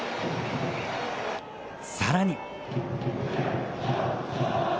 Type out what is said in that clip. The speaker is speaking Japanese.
さらに。